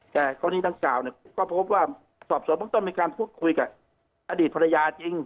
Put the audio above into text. แต่ตอนนี้ทางกล่าวเนี่ยก็พบว่าสอบสวนต้องมีการคุยกับอดีตภรรยาจริง